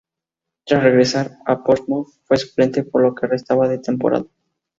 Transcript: Tras regresar a Portsmouth fue suplente por lo que restaba de temporada.